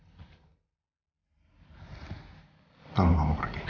buat aku kalau ni pokoknya bekerja segala gitu